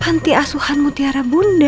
pantai asuhan mutiara bunda